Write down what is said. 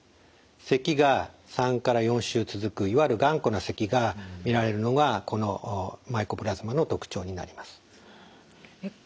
せきが３から４週続くいわゆる頑固なせきが見られるのがこのマイコプラズマの特徴になります。